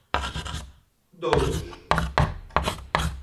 Dous.